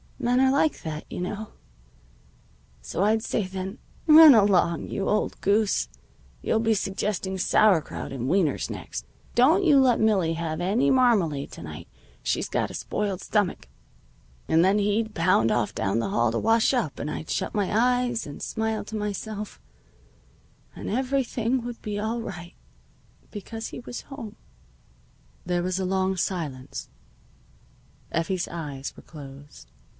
"Men are like that, you know. So I'd say then: 'Run along, you old goose! You'll be suggesting sauerkraut and wieners next. Don't you let Millie have any marmalade to night. She's got a spoiled stomach.' "And then he'd pound off down the hall to wash up, and I'd shut my eyes, and smile to myself, and everything would be all right, because he was home." There was a long silence. Effie's eyes were closed.